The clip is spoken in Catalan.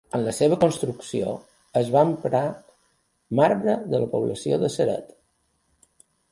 En la seva construcció, es va emprar marbre de la població de Ceret.